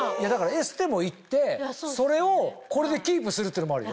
エステも行ってそれをこれでキープするっていうのもあるよ。